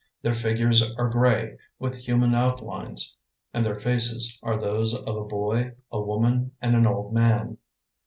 Their figures are gray, with human outlines, and their faces are those of a boy, a woman, and an old man.